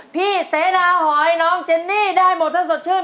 พี่เสนาหอยน้องเจนนี่ได้หมดถ้าสดชื่น